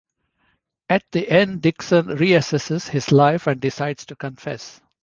At the end Dixon reassesses his life and decides to confess.